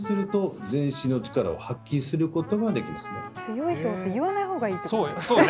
よいしょって言わないほうがいいということですね。